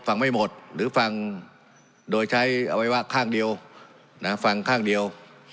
ฟังไม่หมดหรือฟังโดยใช้เอาไว้ว่าข้างเดียวนะฟังข้างเดียว